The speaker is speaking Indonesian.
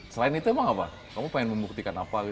selain itu emang apa kamu pengen membuktikan apa